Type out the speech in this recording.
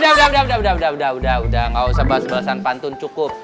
eh udah udah udah udah udah udah udah udah gak usah bahas bahasan pantun cukup